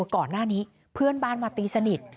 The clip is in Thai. ก่อนหน้านี้เพื่อนบ้านมาตีสนิท